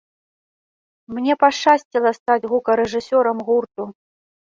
Мне пашчасціла стаць гукарэжысёрам гурту.